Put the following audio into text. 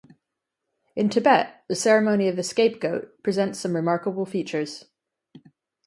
In Tibet, the ceremony of the scapegoat presents some remarkable features.